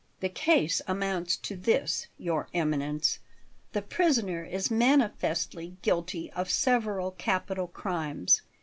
"The case amounts to this, Your Eminence: The prisoner is manifestly guilty of several capital crimes.